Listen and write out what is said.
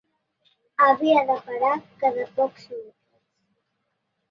Havia de parar cada pocs metres.